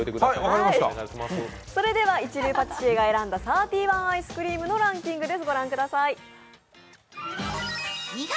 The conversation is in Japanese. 一流パティシエが選んだサーティワンアイスクリームのランキングです。